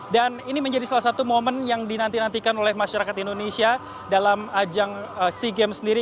dan ini menjadi salah satu momen yang dinantikan oleh masyarakat indonesia dalam ajang sea games sendiri